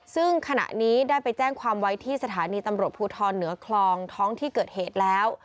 ซึ่งขณะนี้ได้ไปแจ้งความไว้ที่สถานีตำรวจภูทรเหนือคลองท้องที่เกิดเหตุแล้ว